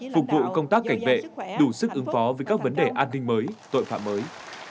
phục vụ công tác cảnh vệ đủ sức ứng phó với các vấn đề an ninh mới tội phạm mới